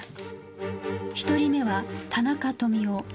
１人目は田中富夫